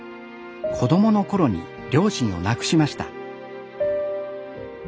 子どもの頃に両親を亡くしました。